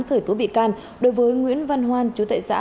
khởi tố bị can đối với nguyễn văn hoan chú tại xã